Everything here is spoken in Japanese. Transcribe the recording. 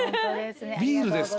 ビールです